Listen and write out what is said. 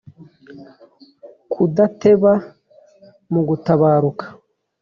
Kudateba mu gutabaruka